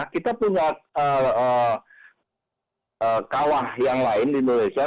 kita punya kawah yang lain di indonesia